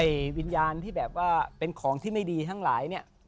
วิญญาณที่แบบว่าเป็นของที่ไม่ดีทั้งหลายเนี่ย